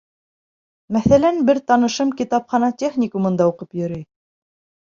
Мәҫәлән, бер танышым китапхана техникумында уҡып йөрөй.